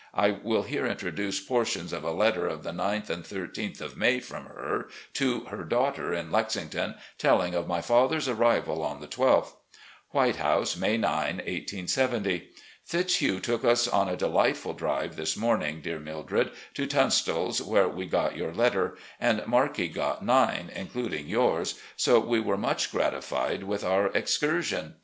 I will here introduce portions of a letter of the 9th and 13th of May from her to her daughter in Lexington, telling of my father's arrival on the 12th: "'White House,' May 9, 1870. " Fitzhugh took us on a delightful drive this morning, dear Mildred, to Tunstall's, where we got your letter, and Markie got nine, including yours, so we were much gratified with our excursion.